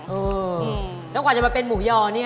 ตั้งแต่ว่าจะมาเป็นหมูยอ